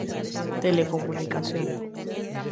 Telecomunicaciones